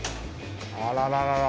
あらららら。